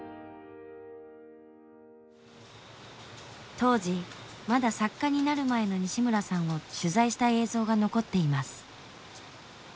当時まだ作家になる前の西村さんを取材した映像が残っています。